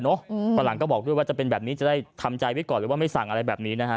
เพราะหลังก็บอกด้วยว่าจะเป็นแบบนี้จะได้ทำใจไว้ก่อนหรือว่าไม่สั่งอะไรแบบนี้นะฮะ